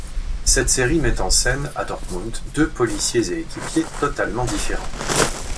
Cette série met en scène, à Dortmund, deux policiers et équipiers totalement différents.